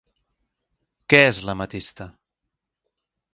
Què és l'ametista?